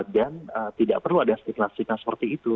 dan tidak perlu ada stigma stigma seperti itu